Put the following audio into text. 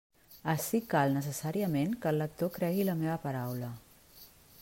Ací cal necessàriament que el lector cregui la meva paraula.